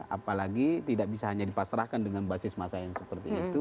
apalagi tidak bisa hanya dipasrahkan dengan basis masa yang seperti itu